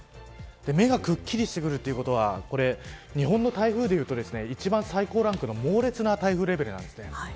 目がくっきりしてくるということは日本の台風でいうと一番最高ランクの猛烈な台風レベルなんです。